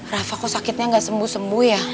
rafa kok sakitnya nggak sembuh sembuh ya